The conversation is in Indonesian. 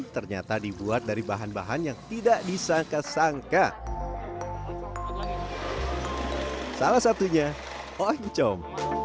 ternyata dibuat dari bahan bahan yang tidak disangka sangka salah satunya oncong